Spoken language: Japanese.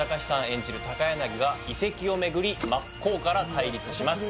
演じる高柳が移籍をめぐり真っ向から対立します